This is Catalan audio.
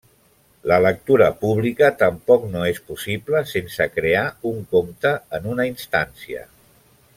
La lectura pública tampoc no és possible sense crear un compte en una instància.